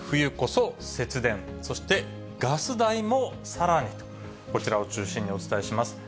そしてガス代もさらにと、こちらを中心にお伝えします。